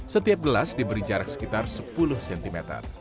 setiap gelas diberi jarak sekitar sepuluh cm